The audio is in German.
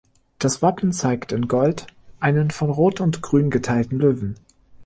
Das Wappen zeigt in Gold einen von Rot und Grün geteilten Löwen.